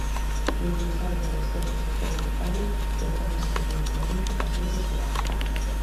Impulsar unha resposta social unitaria fronte a unha situación económica "case desesperada".